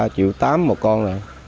ba triệu tám một con